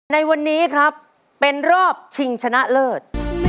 ในวันนี้ครับเป็นรอบชิงชนะเลิศ